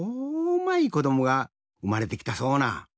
まいこどもがうまれてきたそうな。